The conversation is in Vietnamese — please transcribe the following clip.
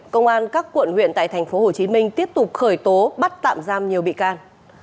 công an các quận huyện tại tp hcm tiếp tục khởi tố bắt tạm giam nhiều bị can